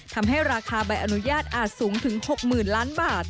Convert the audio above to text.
ทำให้ราคาใบอนุญาตอาจสูงถึง๖๐๐๐ล้านบาท